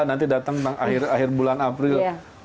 nanti datang akhir bulan april